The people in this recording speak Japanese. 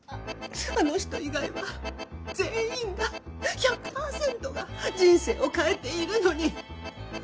あの人以外は全員が１００％が人生を変えているのに。